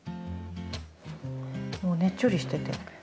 もうねっちょりしてて。